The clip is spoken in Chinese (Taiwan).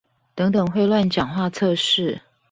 等等會亂講話測試